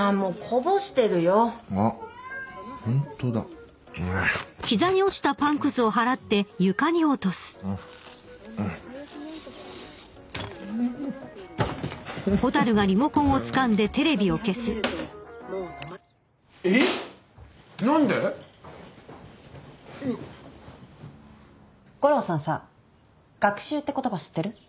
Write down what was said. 悟郎さんさ「学習」って言葉知ってる？